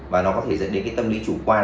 và nó có thể dẫn đến cái tâm lý chủ quan